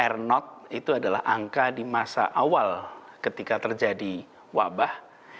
r not itu adalah angka di masa awal ketika terjadi wabah